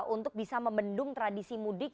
untuk bisa membendung tradisi mudik